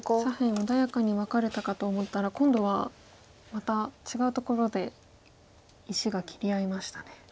左辺穏やかにワカれたかと思ったら今度はまた違うところで石が切り合いましたね。